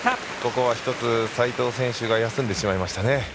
ここは斉藤選手が休んでしまいましたね。